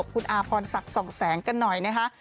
คุณอาพรศักดิ์ส่องแสงกันหน่อยนะคะ